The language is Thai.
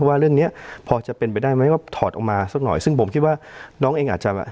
ว่าเรื่องเนี้ยพอจะเป็นไปได้ไหมว่าถอดออกมาสักหน่อยซึ่งผมคิดว่าน้องเองอาจจะ